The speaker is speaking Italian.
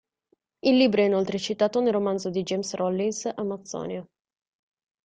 Il libro è inoltre citato nel romanzo di James Rollins "Amazzonia".